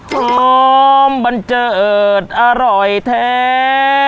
หอมบันเจิดอร่อยแท้